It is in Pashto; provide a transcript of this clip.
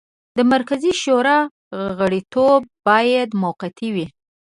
د مرکزي شورا غړیتوب باید موقتي وي.